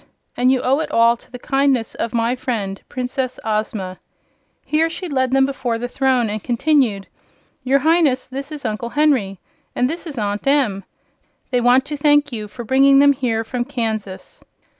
And you owe it all to the kindness of my friend Princess Ozma." Here she led them before the throne and continued: "Your Highness, this is Uncle Henry. And this is Aunt Em. They want to thank you for bringing them here from Kansas."